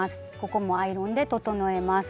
ここもアイロンで整えます。